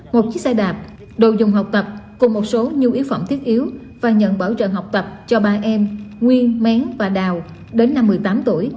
một chiếc xe đạp đồ dùng học tập cùng một số nhu yếu phẩm thiết yếu và nhận bảo trợ học tập cho ba em nguyên mén và đào đến năm một mươi tám tuổi